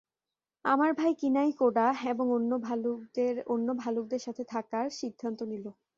আমার ভাই কিনাই কোডা এবং অন্য ভালুকদের সাথে থাকার সিদ্ধান্ত নিল।